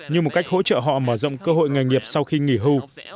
như một cách hỗ trợ họ mở rộng cơ hội nghề nghiệp sau khi nghỉ hưu